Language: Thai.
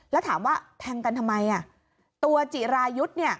แล้วถามว่าแทงกันทำไมอ่ะตัวจิรายุทธ์เนี่ย